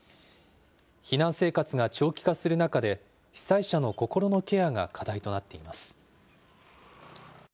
避難生活が長期化する中で、被災者の心のケアが課題となっています。